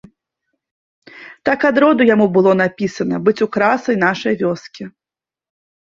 Так ад роду было яму напісана быць украсай нашае вёскі.